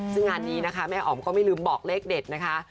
ซึ่งงานนี้นะคะแม่อ๋อมก็ไม่ลืมบอกเลขเด็ดนะคะ